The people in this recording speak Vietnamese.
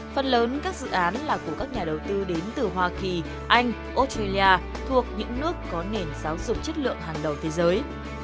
phần lớn các dự án là của các nhà đầu tư đến từ hoa kỳ anh australia thuộc những nước có nền giáo dục chất lượng hàng đầu thế giới